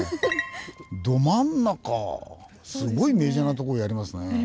ど真ん中すごいメジャーなとこやりますね。